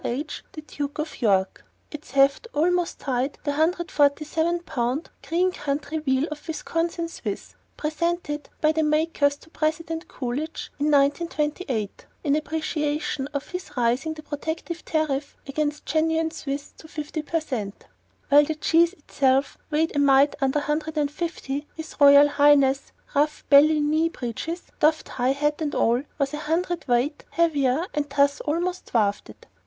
H. the Duke of York. (Its heft almost tied the 147 pound Green County wheel of Wisconsin Swiss presented by the makers to President Coolidge in 1928 in appreciation of his raising the protective tariff against genuine Swiss to 50 percent.) While the cheese itself weighed a mite under 150, His Royal Highness, ruff, belly, knee breeches, doffed high hat and all, was a hundred weight heavier, and thus almost dwarfed it.